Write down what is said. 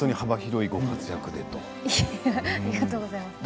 ありがとうございます。